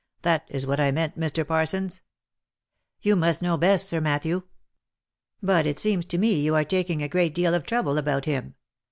That is what I meant, Mr. Parsons." " You must know best, Sir Matthew. But it seems to me you are taking a deal of trouble about him.